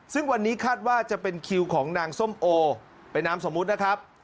ซึ่งวันนี้คาดว่าจะเป็นคิวของนางส้มโอเป็นนามสมมุตินะครับ